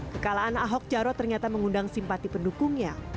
kekalahan ahok jarot ternyata mengundang simpati pendukungnya